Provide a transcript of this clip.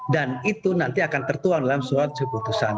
dan itu nanti akan tertuang dalam sebuah keputusan